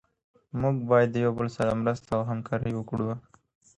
موږ باید د یو بل سره مرسته او همکاري وکړو.